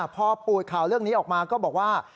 พอปูดข่าวเรื่องนี้ออกมาก็บอกว่า